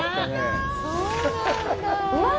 うわ！